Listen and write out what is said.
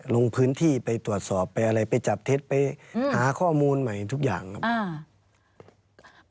ลงพื้นที่ไปตรวจสอบไปอะไรไปจับเท็จไปหาข้อมูลใหม่ทุกอย่างครับ